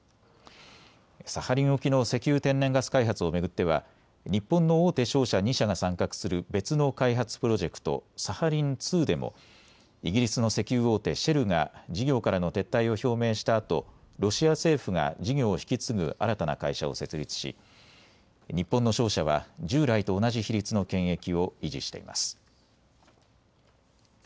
サハリン沖の石油・天然ガス開発を巡っては日本の大手商社２社が参画する別の開発プロジェクト、サハリン２でもイギリスの石油大手、シェルが事業からの撤退を表明したあとロシア政府が事業を引き継ぐ新たな会社を設立し日本の商社は従来と同じ比率の権益を維持しています。